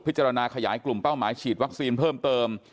จารณขยายกลุ่มเป้าหมายฉีดวัคซีนเพิ่มเติม